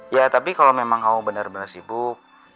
ya tapi kalau memang kamu bener bener sibuk